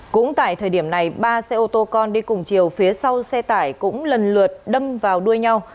cũng tại thời điểm này ba xe ô tô con đi cùng chiều phía sau xe tải cũng lần lượt đâm vào đuôi nhau